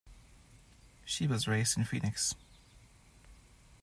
She was raised in Phoenix.